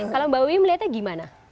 kalau mbak wiwi melihatnya gimana